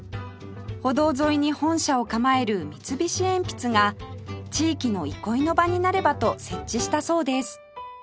歩道沿いに本社を構える三菱鉛筆が地域の憩いの場になればと設置したそうです